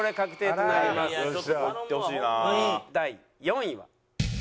第４位は。